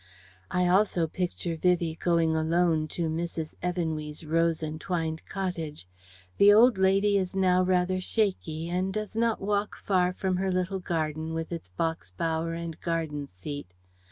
I also picture Vivie going alone to Mrs. Evanwy's rose entwined cottage. The old lady is now rather shaky and does not walk far from her little garden with its box bower and garden seat.